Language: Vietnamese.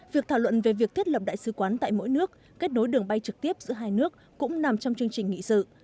việc thảo luận về việc thiết lập đại sứ quán tại mỗi nước kết nối đường bay trực tiếp giữa hai nước cũng nằm trong chương trình nghị sự